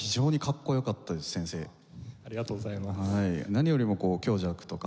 何よりも強弱とか。